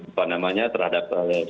apa namanya terhadap